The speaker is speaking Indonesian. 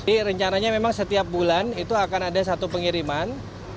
jadi rencananya memang setiap bulan itu akan ada satu pengiriman